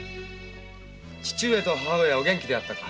父上と母上はお元気だったか？